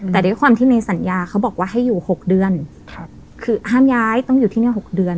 แต่ด้วยความที่ในสัญญาเขาบอกว่าให้อยู่๖เดือนคือห้ามย้ายต้องอยู่ที่นี่๖เดือน